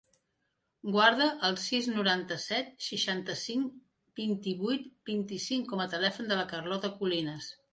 Guarda el sis, noranta-set, seixanta-cinc, vint-i-vuit, vint-i-cinc com a telèfon de la Carlota Colinas.